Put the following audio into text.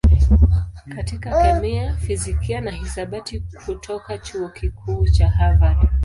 katika kemia, fizikia na hisabati kutoka Chuo Kikuu cha Harvard.